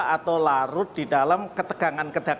atau larut di dalam ketegangan ketegangan